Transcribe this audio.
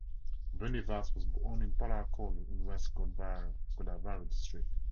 Bunny Vas was born in Palakollu in West Godavari district.